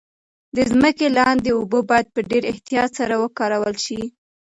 د ځمکې لاندې اوبه باید په ډیر احتیاط سره وکارول شي.